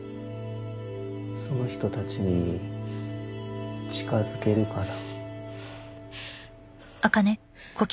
その人たちに近づけるかな？